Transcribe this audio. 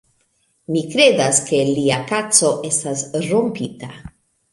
Mi kredas, ke lia kaco estas rompita